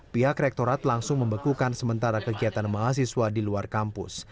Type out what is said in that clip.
pihak rektorat langsung membekukan sementara kegiatan mahasiswa di luar kampus